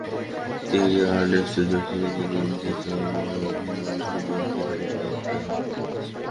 তিনি আরনেস্ট জোনসকে জানান যে, জমাট মাংসপিন্ডটি কেটে বাদ দেওয়া হয়েছে।